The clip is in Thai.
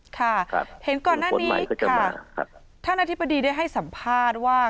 ค่ะเห็นก่อนหน้านี้ค่ะท่านอธิบดีได้ให้สัมภาษณ์ว่า